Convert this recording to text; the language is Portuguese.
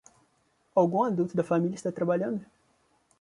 Algum adulto da família está trabalhando?